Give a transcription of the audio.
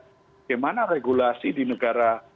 bagaimana regulasi di negara